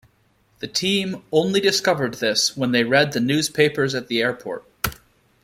The team only discovered this when they read the newspapers at the airport.